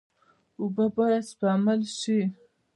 اوبه باید سپمول شي.